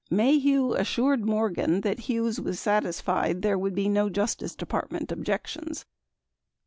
35 Maheu assured Morgan that Hughes was satisfied that there would be no Justice Department objections.